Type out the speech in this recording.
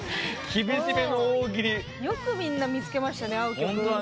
よくみんな見つけましたね合う曲を。